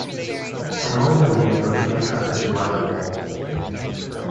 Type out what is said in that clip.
An older name for the haircut is "whitewall".